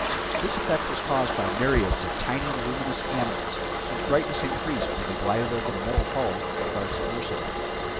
This effect was caused by myriads of tiny, luminous animals whose brightness increased when they glided over the metal hull of our submersible.